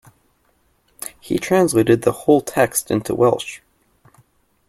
He translated the whole text into Welsh.